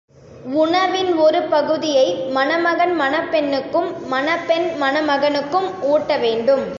உணவின் ஒரு பகுதியை மணமகன் மணப் பெண்ணுக்கும் மணப்பெண் மணமகனுக்கும் ஊட்ட வேண்டும்.